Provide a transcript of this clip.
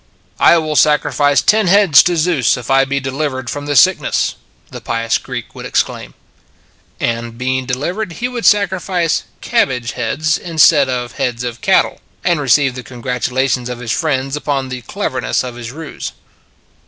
" I will sacrifice ten heads to Zeus if I be delivered from this sickness," the pious Greek would exclaim. And being delivered he would sacrifice 20 It s a Good Old World cabbage heads instead of heads of cattle, and receive the congratulations of his friends upon the cleverness of his ruse.